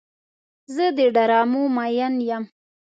زه د ډرامو مین یم.